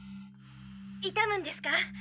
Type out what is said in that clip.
痛むんですか？